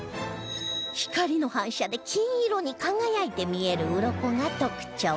光の反射で金色に輝いて見える鱗が特徴